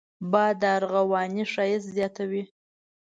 باد د ارغوان ښايست زیاتوي